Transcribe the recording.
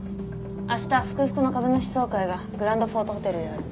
明日福々の株主総会がグランドフォードホテルである。